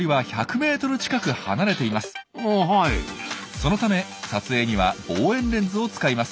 そのため撮影には望遠レンズを使います。